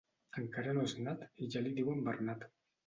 Encara no és nat i ja li diuen Bernat.